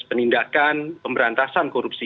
penindakan pemberantasan korupsi